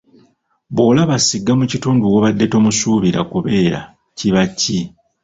Bw'olaba ssigga mu kitundu w'obadde tomusuubira kubeera, kiba ki?